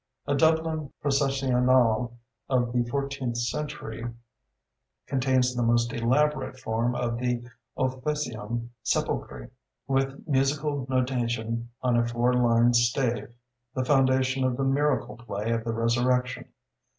A Dublin Processionale of the fourteenth century contains the most elaborate form of the Officium Sepulchri, with musical notation on a four line stave the foundation of the Miracle Play of the Resurrection.